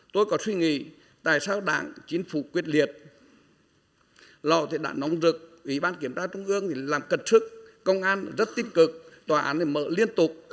tôi có suy nghĩ tại sao đảng chính phủ quyết liệt lò thì đảng nóng rực ủy ban kiểm tra trung ương thì làm cân sức công an rất tích cực tòa án mở liên tục